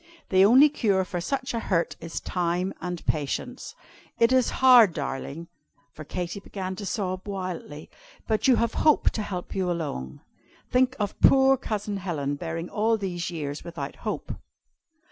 The only cure for such a hurt is time and patience. It is hard, darling" for Katy began to sob wildly "but you have Hope to help you along. Think of poor Cousin Helen, bearing all these years without hope!"